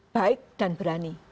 baik dan berani